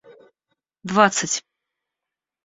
двадцать